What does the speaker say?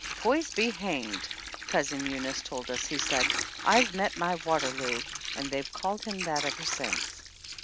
"Poise be hanged !" Cousin Eunice told us he said, "I've met my Waterloo!" And they've called him that ever since.